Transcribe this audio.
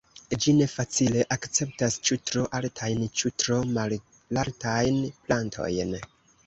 Ĝi ne facile akceptas ĉu tro altajn ĉu tro malaltajn plantojn.